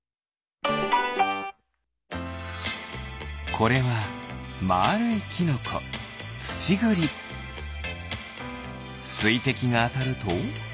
これはまあるいキノコすいてきがあたると？